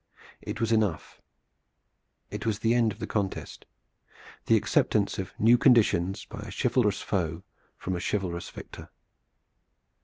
It was enough. It was the end of the contest, the acceptance of new conditions by a chivalrous foe from a chivalrous victor.